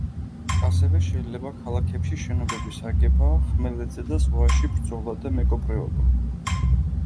ასევე შეიძლება ქალაქებში შენობების აგება, ხმელეთზე და ზღვაში ბრძოლა, და მეკობრეობა.